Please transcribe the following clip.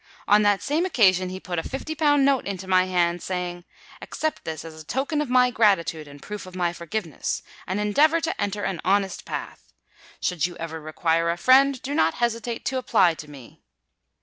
On that same occasion he put a fifty pound note into my hand, saying, '_Accept this as a token of my gratitude and a proof of my forgiveness; and endeavour to enter an honest path. Should you ever require a friend, do not hesitate to apply to me.